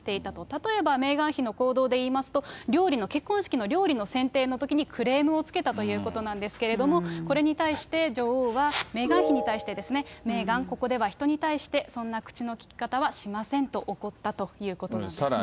例えばメーガン妃の行動でいいますと、料理の、結婚式の料理の選定のときにクレームをつけたということなんですけれども、これに対して、女王はメーガン妃に対してですね、メーガン、ここでは人に対してそんな口の利き方はしませんと怒ったとさらに。